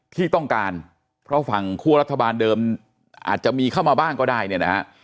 ที่ต้องการเพราะฝั่งคั่วรัฐบาลเดิมอาจจะมีเข้ามาบ้างก็ได้เนี่ยนะฮะ